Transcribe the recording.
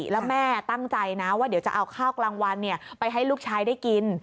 และแม่ตั้งใจว่าจะเอาข้าวกลางวัลไปให้ลูกชายได้กิน